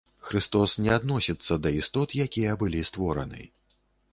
Хрыстос не адносіцца да істот, якія былі створаны.